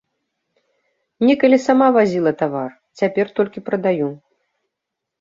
Некалі сама вазіла тавар, цяпер толькі прадаю.